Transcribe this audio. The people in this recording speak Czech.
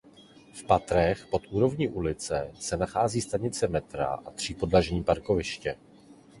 V patrech pod úrovní ulice se nachází stanice metra a třípodlažní parkoviště.